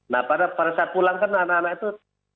nah pada saat pulang kan anak anak itu